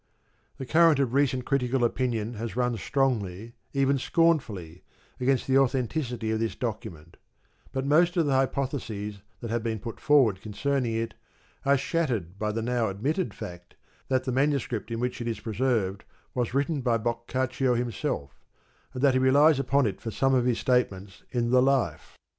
The current of recent critical opinion has run strongly, even scorn fully, against the authenticity of this document, but most of the hypotheses that have been put forward concerning it are shattered by the now admitted fact that the manuscript in which it is preserved was written by Boccaccio himself, and that he relies upon it for some of his statements in the Life.